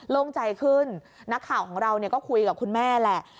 โล่งใจขึ้นนักข่าวของเราก็คุยกับคุณแม่แหละ